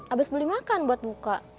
abis beli makan buat buka